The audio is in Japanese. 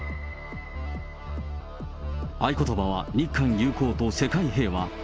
合言葉は日韓友好と世界平和。